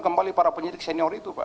kembali para penyidik senior itu pak